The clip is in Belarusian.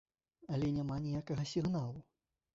Але няма ніякага сігналу.